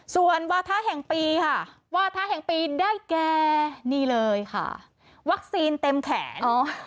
ส่วนวาทะแห่งปีค่ะวาทะแห่งปีได้แก่นี่เลยค่ะวัคซีนเต็มแขน